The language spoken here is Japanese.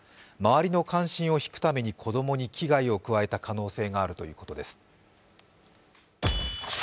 周りの関心を引くために子供に危害を加えた可能性があるということです。